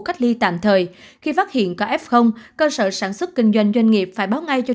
cách ly tạm thời khi phát hiện có f cơ sở sản xuất kinh doanh doanh nghiệp phải báo ngay cho